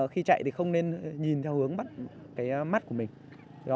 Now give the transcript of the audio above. khi chạy thì không nên nhìn theo hướng mắt của mình